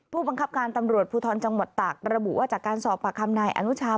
ผู้บังคับการตำรวจภูทรจังหวัดตากระบุว่าจากการสอบปากคำนายอนุชา